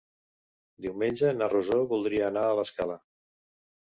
Diumenge na Rosó voldria anar a l'Escala.